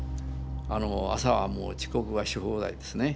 朝はもう遅刻がし放題ですね。